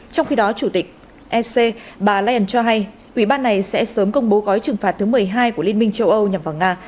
trong khi đó chủ tịch ec bà leyen cho hay ủy ban này sẽ sớm công bố gói trừng phạt thứ một mươi hai của liên minh châu âu nhằm vào nga